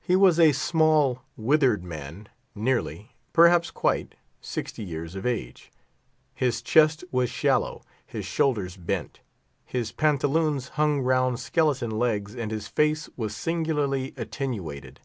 He was a small, withered man, nearly, perhaps quite, sixty years of age. His chest was shallow, his shoulders bent, his pantaloons hung round skeleton legs, and his face was singularly attenuated.